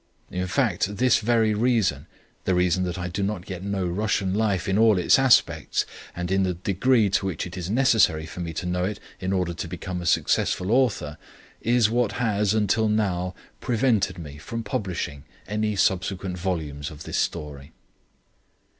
In fact, this very reason the reason that I do not yet know Russian life in all its aspects, and in the degree to which it is necessary for me to know it in order to become a successful author is what has, until now, prevented me from publishing any subsequent volumes of this story.